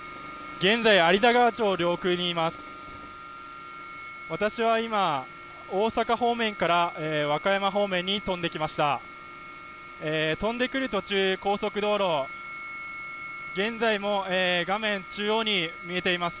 現在、有田川町上空にいます。